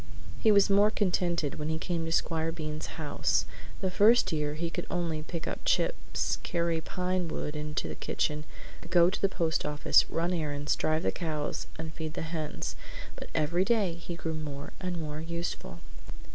He was more contented when he came to Squire Bean's house. The first year he could only pick up chips, carry pine wood into the kitchen, go to the post office, run errands, drive the cows, and feed the hens, but every day he grew more and more useful.